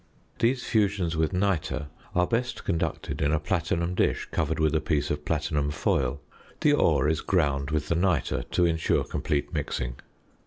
These fusions with nitre are best conducted in a platinum dish covered with a piece of platinum foil. The ore is ground with the nitre to ensure complete mixing.